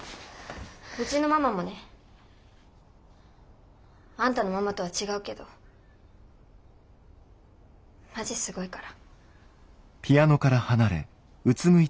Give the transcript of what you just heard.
うちのママもねあんたのママとは違うけどマジすごいから。